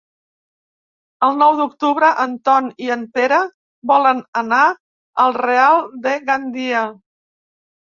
El nou d'octubre en Ton i en Pere volen anar al Real de Gandia.